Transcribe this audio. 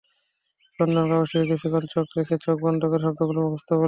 চন্দন কাগজটিতে কিছুক্ষণ চোখ রেখে চোখ বন্ধ করে শব্দগুলো মুখস্থ বলে যান।